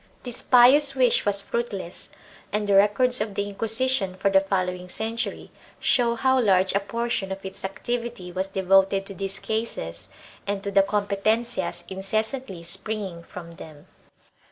2 This pious wish was fruitless and the records of the Inquisition for the following century show how large a portion of its activity was devoted to these cases and to the competencias incessantly springing from them.